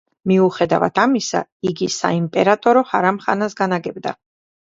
მიუხედავად ამისა, იგი საიმპერატორო ჰარამხანას განაგებდა.